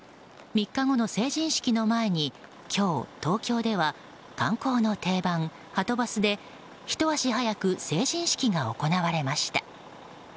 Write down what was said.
３日後の成人式を前に今日、東京では観光の定番、はとバスでひと足早く成人式が行われました。